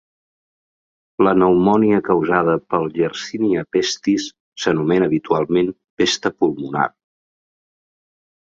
La pneumònia causada pel "Yersinia pestis" s'anomena habitualment "pesta pulmonar".